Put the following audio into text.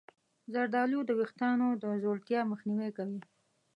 زردآلو د ویښتانو د ځوړتیا مخنیوی کوي.